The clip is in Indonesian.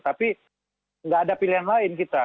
tapi nggak ada pilihan lain kita